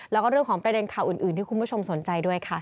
แล้วก็เรื่องของประเด็นข่าวอื่นที่คุณผู้ชมสนใจด้วยค่ะ